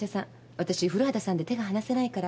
わたし古畑さんで手が離せないから。